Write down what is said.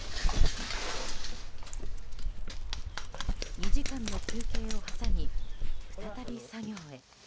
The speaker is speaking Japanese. ２時間の休憩を挟み再び作業へ。